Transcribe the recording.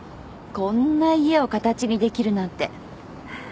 こんな家を形にできるなんて。